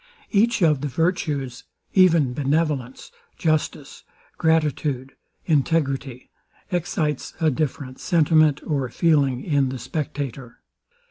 Each of the virtues, even benevolence, justice, gratitude, integrity, excites a different sentiment or feeling in the spectator.